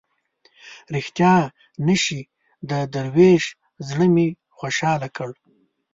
ریښتیا نه شي د دروېش زړه مې خوشاله کړ.